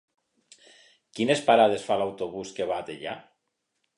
Quines parades fa l'autobús que va a Teià?